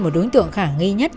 một đối tượng khả nghi nhất